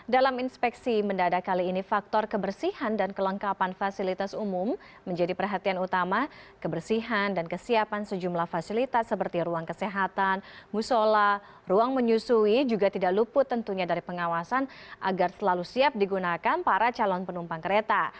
dalam inspeksi mendadak kali ini faktor kebersihan dan kelengkapan fasilitas umum menjadi perhatian utama kebersihan dan kesiapan sejumlah fasilitas seperti ruang kesehatan musola ruang menyusui juga tidak luput tentunya dari pengawasan agar selalu siap digunakan para calon penumpang kereta